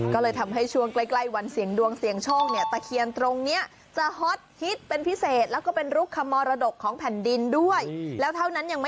ก็เลยทำให้ช่วงไกลวันเสียงดวงเสียงช่วง